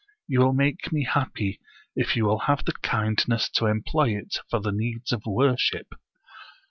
You will make me happy, if you will have the kindness to employ it for the needs of wor ship."